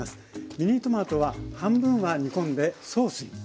ミニトマトは半分は煮込んでソースに。